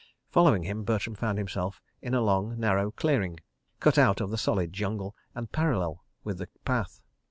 Following him, Bertram found himself in a long, narrow clearing cut out of the solid jungle and parallel with the path.